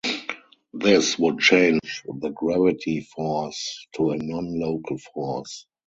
This would change the gravity force to a non-local force.